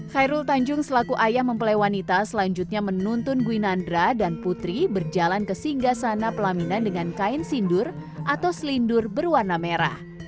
khairul tanjung selaku ayah mempelai wanita selanjutnya menuntun gwinandra dan putri berjalan ke singgah sana pelaminan dengan kain sindur atau selindur berwarna merah